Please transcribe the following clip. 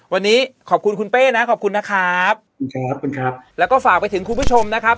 วันนี้ขอบคุณคุณเป้นะขอบคุณนะครับและก็ฝากไปถึงคุณผู้ชมนะครับ